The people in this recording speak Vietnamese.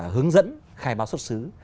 hướng dẫn khai báo xuất xứ